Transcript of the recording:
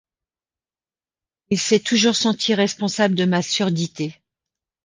Il s’est toujours senti responsable de ma surdité.